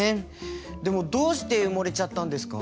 でもどうして埋もれちゃったんですか？